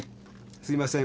すいません。